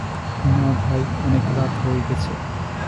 না ভাই, অনেক রাত হয়ে গেছে।